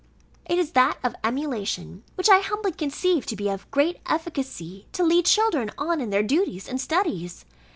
It is that of emulation; which I humbly conceive to be of great efficacy to lead children on in their duties and studies.